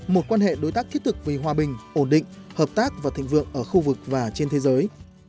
một quan hệ đối tác thiết thực vì hòa bình ổn định hợp tác và thịnh vượng ở khu vực và đất nước